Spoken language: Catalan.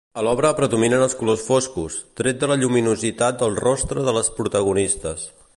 A l'obra predominen els colors foscos, tret de la lluminositat del rostre de les protagonistes.